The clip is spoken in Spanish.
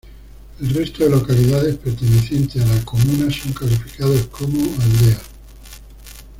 El resto de localidades pertenecientes a la comuna son calificadas como aldeas.